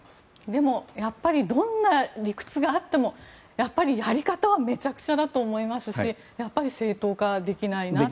でも、やっぱりどんな理屈があってもやり方はめちゃくちゃだと思いますしやっぱり正当化できないなという。